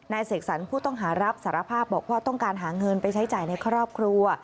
เสกสรรผู้ต้องหารับสารภาพบอกว่าต้องการหาเงินไปใช้จ่ายในครอบครัว